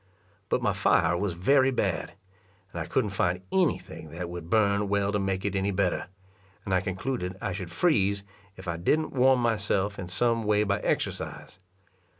But my fire was very bad, and I couldn't find any thing that would burn well to make it any better; and I concluded I should freeze, if I didn't warm myself in some way by exercise.